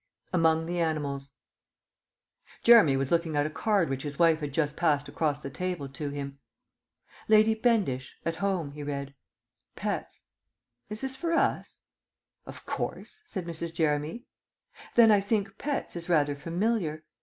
AMONG THE ANIMALS Jeremy was looking at a card which his wife had just passed across the table to him. "'Lady Bendish. At Home,'" he read. "'Pets.' Is this for us?" "Of course," said Mrs. Jeremy. "Then I think 'Pets' is rather familiar.